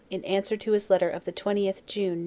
in answer to his letter of the 20th June, N.